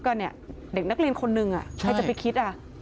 ก็เนี่ยเด็กนักเรียนคนนึงอ่ะใช่ให้จะไปคิดอ่ะ